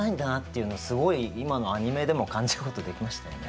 いうのすごい今のアニメでも感じることできましたよね。